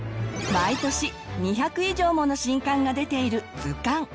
毎年２００以上もの新刊が出ている図鑑。